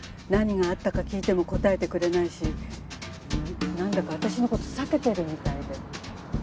何があったか聞いても答えてくれないしなんだか私の事避けてるみたいで。